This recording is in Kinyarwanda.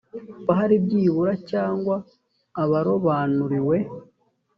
hakaba hari byibura cy abarobanuriwe